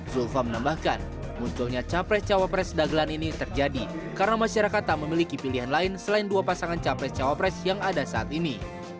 zulfa menambahkan munculnya capres cawapres dagelan ini terjadi karena masyarakat tak memiliki pilihan lain selain dua pasangan capres cawapres yang ada saat ini